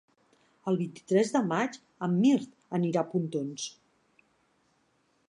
El vint-i-tres de maig en Mirt anirà a Pontons.